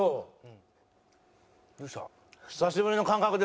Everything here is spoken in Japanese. どうした？